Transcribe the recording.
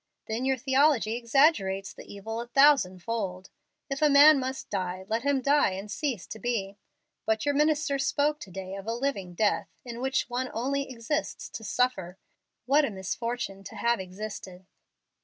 Then your theology exaggerates the evil a thousand fold. If a man must die, let him die and cease to be. But your minister spoke to day of a living death, in which one only exists to suffer. What a misfortune to have existed!"